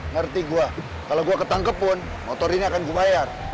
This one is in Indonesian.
ngerti gua kalo gua ketangkep pun motor ini akan gua bayar